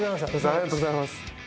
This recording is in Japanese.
ありがとうございます。